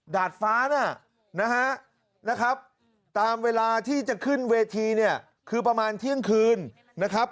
ดาดฟ้าน่ะนะฮะตามเวลาที่จะขึ้นเวทีเนี่ยคือประมาณเที่ยงคืนนะครับ